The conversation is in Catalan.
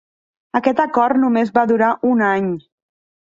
Aquest acord només va durar un any.